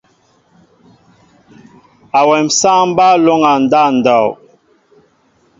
Awem sááŋ mbaa lóŋgá ndáw ndow.